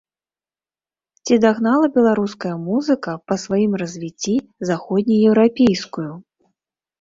Ці дагнала беларуская музыка па сваім развіцці заходнееўрапейскую?